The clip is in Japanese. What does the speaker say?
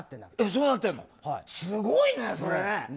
すごいね、それね。